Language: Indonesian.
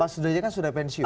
pak sudraja kan sudah pensiun